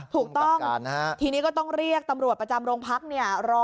ถูกต้องทีนี้ก็ต้องเรียกตำรวจประจำโรงพัก